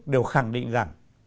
đều khẳng định rằng